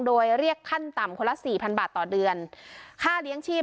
โดยเรียกขั้นต่ำคนละสี่พันบาทต่อเดือนค่าเลี้ยงชีพ